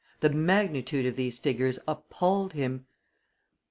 The magnitude of these figures appalled him.